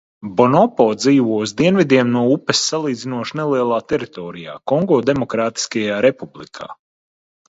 Bonobo dzīvo uz dienvidiem no upes salīdzinoši nelielā teritorijā Kongo Demokrātiskajā Republikā.